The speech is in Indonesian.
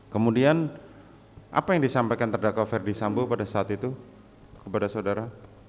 kemudian apa yang disampaikan terdakwa ferdi sambo pada saat itu kepada saudara